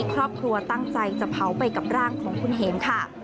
ครอบครัวตั้งใจจะเผาไปกับร่างของคุณเห็มค่ะ